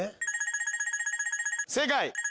正解。